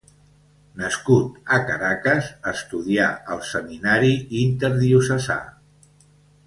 Nascut a Caracas, estudià al seminari interdiocesà.